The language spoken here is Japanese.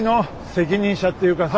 責任者っていうかさ。